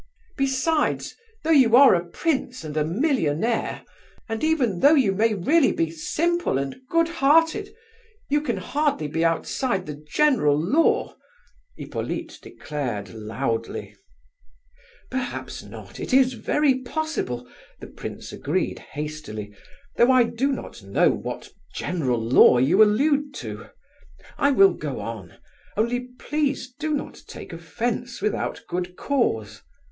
"Besides, though you are a prince and a millionaire, and even though you may really be simple and good hearted, you can hardly be outside the general law," Hippolyte declared loudly. "Perhaps not; it is very possible," the prince agreed hastily, "though I do not know what general law you allude to. I will go on—only please do not take offence without good cause.